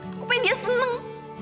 aku pengen dia seneng